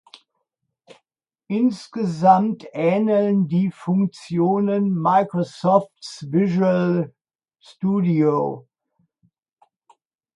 Insgesamt ähneln die Funktionen Microsofts Visual Studio.